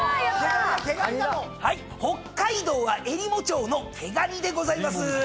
北海道はえりも町の毛ガニでございます。